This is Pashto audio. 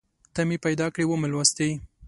ته مې پیدا کړې ومې لوستې